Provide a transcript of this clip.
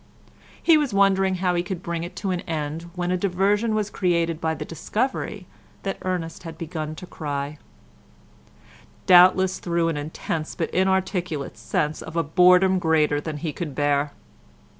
He was wondering how he could bring it to an end, when a diversion was created by the discovery that Ernest had begun to cry—doubtless through an intense but inarticulate sense of a boredom greater than he could bear.